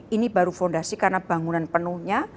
ini baru fondasi karena bangunan penuhnya